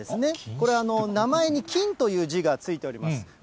これ、名前に金という字がついております。